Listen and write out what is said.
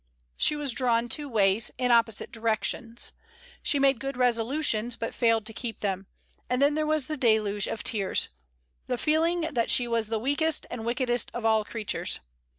She was drawn two ways, in opposite directions. She made good resolutions, but failed to keep them; and then there was a deluge of tears, the feeling that she was the weakest and wickedest of all creatures.